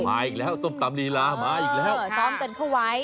อีกแล้วส้มตำลีลามาอีกแล้วซ้อมกันเข้าไว้